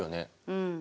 うん。